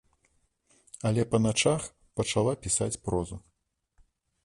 Але па начах пачала пісаць прозу.